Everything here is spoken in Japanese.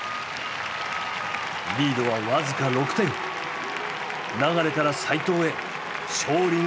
リードは僅か６点流から齋藤へ勝利が託される。